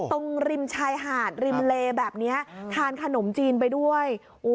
ตรงริมชายหาดริมเลแบบนี้ทานขนมจีนไปด้วย